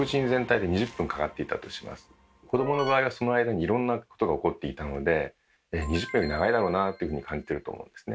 子どもの場合はその間にいろんなことが起こっていたので２０分より長いだろうなっていうふうに感じてると思うんですね。